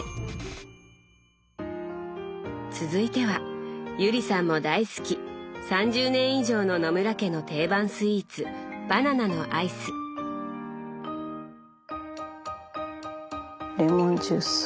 続いては友里さんも大好き３０年以上の野村家の定番スイーツレモンジュース。